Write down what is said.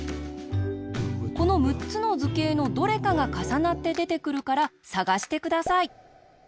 このむっつのずけいのどれかがかさなってでてくるからさがしてください。